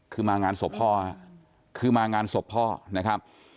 คือมางานศพพ่อคือมางานศพพ่อนะครับ